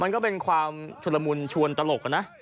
มันก็เป็นความชุดละมุนชวนตลกนะ